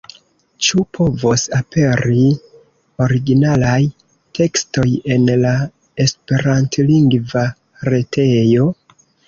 Ĉu povos aperi originalaj tekstoj en la esperantlingva retejo?